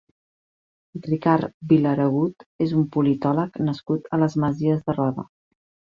Ricard Vilaregut és un politòleg nascut a les Masies de Roda.